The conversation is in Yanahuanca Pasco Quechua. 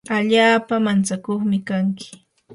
allaapa mantsakuqmi kanki.